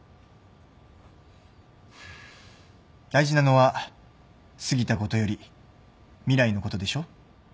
大事なのは過ぎたことより未来のことでしょ？